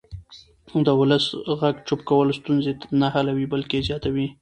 د ولس غږ چوپ کول ستونزې نه حلوي بلکې یې زیاتوي